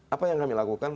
apa yang kami lakukan